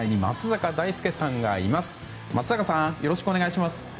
松坂さんよろしくお願いします。